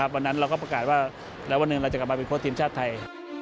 วันนั้นเราก็ประกาศว่าแล้ววันหนึ่งเราจะกลับมาเป็นโค้ชทีมชาติไทย